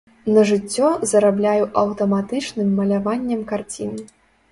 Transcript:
На жыццё зарабляю аўтаматычным маляваннем карцін.